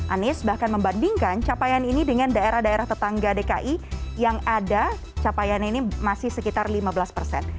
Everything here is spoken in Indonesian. anies bahkan membandingkan capaian ini dengan daerah daerah tetangga dki yang ada capaiannya ini masih sekitar lima belas persen